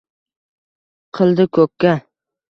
Qildi ko’kka